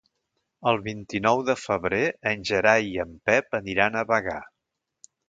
El vint-i-nou de febrer en Gerai i en Pep aniran a Bagà.